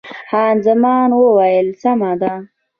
خان زمان وویل، سمه ده.